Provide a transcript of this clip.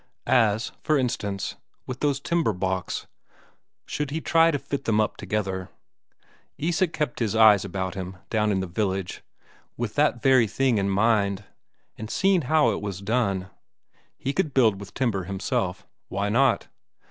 As, for instance, with those timber baulks should he try to fit them up together? Isak had kept his eyes about him down in the village, with that very thing in mind, and seen how it was done; he could build with timber himself, why not?